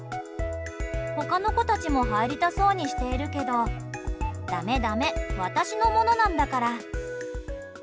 他の子たちも入りたそうにしているけどだめだめ、私のものなんだから。